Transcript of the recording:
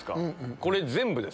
これ、全部です。